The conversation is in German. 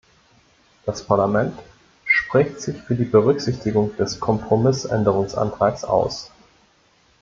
Das Parlament spricht sich für die Berücksichtigung desKompromissänderungsantrags aus.